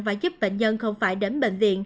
và giúp bệnh nhân không phải đến bệnh